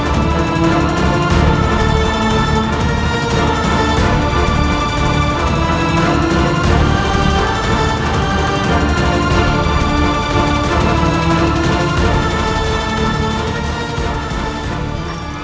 ketiga nimas rasanto